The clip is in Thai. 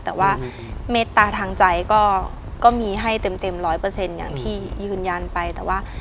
แต่ว่าเมตตาทางใจก็มีให้เต็ม๑๐๐อย่างที่ยืนยานไปแต่ว่า